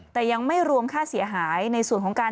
แต่ยังไม่รวมค่าเสียหายในส่วนของการ